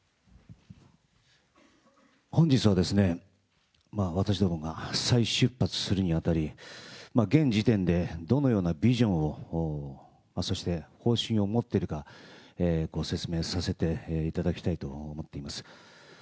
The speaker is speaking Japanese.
本日はですね、私どもが再出発するにあたり、現時点でどのようなビジョンを、そして方針を持ってるか、ご説明させていただきたいと思っています。